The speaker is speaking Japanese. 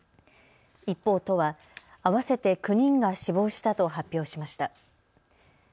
一方、都は合わせて９人が死亡したと発表しました。